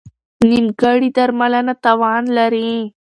نیمګړې درملنه تاوان لري.